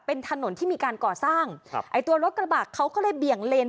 เป็นถนนที่มีการก่อสร้างครับไอ้ตัวรถกระบะเขาก็เลยเบี่ยงเลน